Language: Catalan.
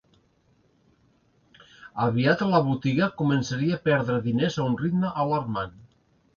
Aviat, la botiga començaria a perdre diners a un ritme alarmant.